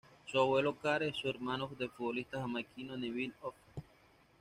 Su abuelo, Karl, es hermano del futbolista jamaicano Neville Oxford.